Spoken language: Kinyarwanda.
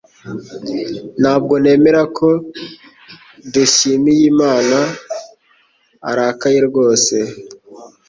Ntabwo nemera ko Dushyimiyimana arakaye rwose